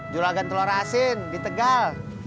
julagan telur asin di tegal